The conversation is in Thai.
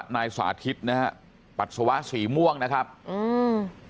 นายสาธิตนะฮะปัสสาวะสีม่วงนะครับอืม